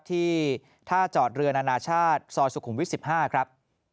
ที่ท่าจอดเรือนานาชาติซอยสุขุมวิท๑๕ครับ